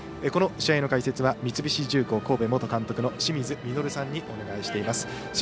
この試合の解説は三菱重工神戸元監督の清水稔さんにお願いしています。